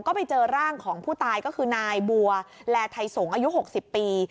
ก็ไปเจอร่างของผู้ตายก็คือนายบัวแลไทยสงศ์อายุ๖๐ปี